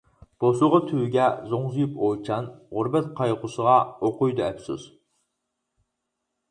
بوسۇغا تۈۋىگە زوڭزىيىپ ئويچان، غۇربەت قايغۇسىغا ئوقۇيدۇ ئەپسۇس.